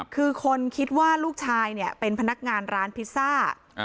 คือคนคิดว่าลูกชายเนี่ยเป็นพนักงานร้านพิซซ่า